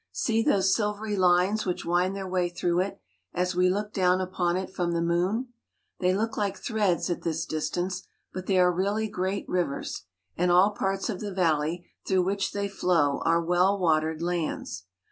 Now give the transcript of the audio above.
See those silvery lines which wind their way through it, as we look down upon it from the moon. They look like threads at this distance, but they are really great rivers, and all parts of the valley through which they flow^ are well watered lands.